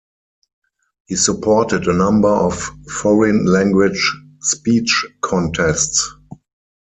He supported a number of foreign language speech contests.